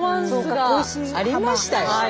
ありましたよ！